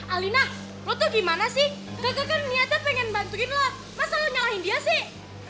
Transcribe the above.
alina lo tuh gimana sih kakak kan niatnya pengen bantuin lo masa lo nyalahin dia sih